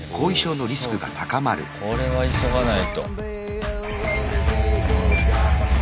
これは急がないと。